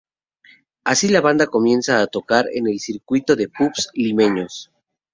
Así la banda comienza a tocar en el circuito de pubs limeños.